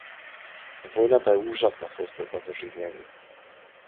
Војната е ужасна состојба за живеење.